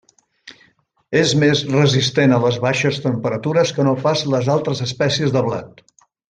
És més resistent a les baixes temperatures que no pas les altres espècies de blat.